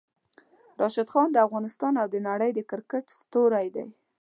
راشد خان د افغانستان او د نړۍ د کرکټ ستوری ده!